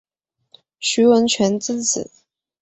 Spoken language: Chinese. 徐文铨之子。